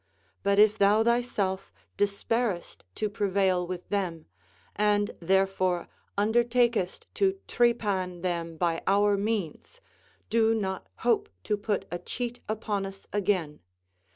But if thou thyself despairest to prevail Λvith them, and therefore undertakest to trepan them by our means, do not hope to put a cheat upon us again.